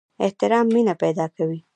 احترام مینه پیدا کوي